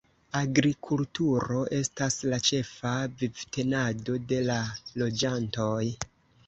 Agrikulturo estas la ĉefa vivtenado de la loĝantoj.